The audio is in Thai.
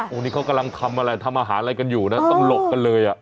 อันนี้เขากำลังทำอะไรทำอาหารอะไรกันอยู่นะต้องหลบกันเลยอ่ะ